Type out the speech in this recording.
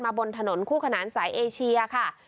บนถนนคู่ขนานสายเอเชียค่ะ